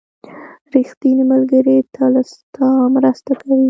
• ریښتینی ملګری تل ستا مرسته کوي.